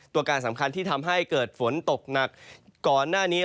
ตัวการสำคัญที่ทำให้เกิดฝนตกหนักก่อนหน้านี้